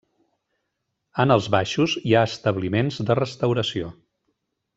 En els baixos hi ha establiments de restauració.